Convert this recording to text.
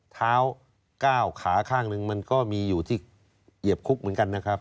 เท้า๙ขาข้างหนึ่งมันก็มีอยู่ที่เหยียบคุกเหมือนกันนะครับ